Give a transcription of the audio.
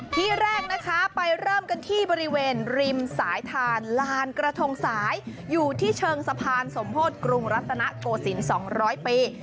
ที่แรกนะคะไปเริ่มกันที่บริเวณริมสายทานลานกระทงสายอยู่ที่เชิงสะพานสมโพธิกรุงรัตนโกศิลป์๒๐๐ปี